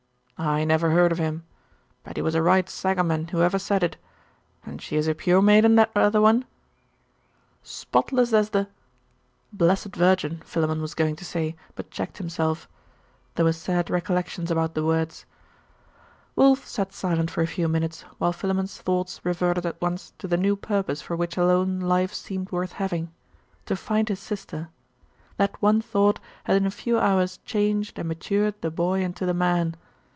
'I never heard of him. But he was a right Sagaman, whoever said it. And she is a pure maiden, that other one?' 'Spotless as the' blessed Virgin, Philammon was going to say but checked himself. There were sad recollections about the words. Wulf sat silent for a few minutes, while Philammon's thoughts reverted at once to the new purpose for which alone life seemed worth having.... To find his sister! That one thought had in a few hours changed and matured the boy into the man.